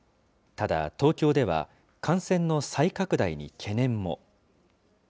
ただ、東京では感染の再拡大に懸念も。